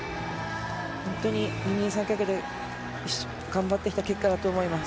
本当に、二人三脚で頑張ってきた結果だと思います。